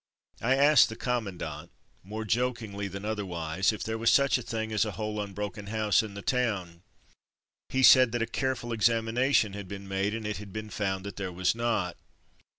I asked the commandant, more jok ingly than otherwise, if there was such a thing as a whole unbroken house in the town. He said that a careful examination had been made, and it had been found that there was not.